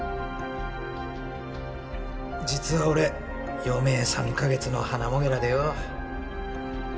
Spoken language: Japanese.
実は俺余命３カ月のハナモゲラでよ